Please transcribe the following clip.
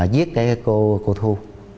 giết cô thu